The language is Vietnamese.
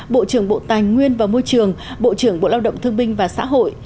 bộ trưởng bộ tài nguyên và môi trường bộ trưởng bộ lao động thương binh và xã hội